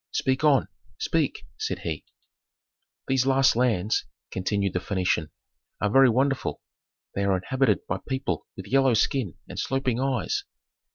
"Speak on speak!" said he. "These last lands," continued the Phœnician, "are very wonderful. They are inhabited by people with yellow skin and sloping eyes.